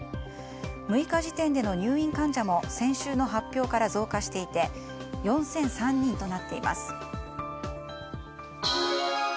６日時点での入院患者も先週の発表から増加していて４００３人となっています。